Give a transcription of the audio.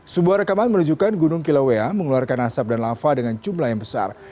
sebuah rekaman menunjukkan gunung kilaua mengeluarkan asap dan lava dengan jumlah yang besar